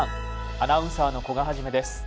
アナウンサーの古賀一です。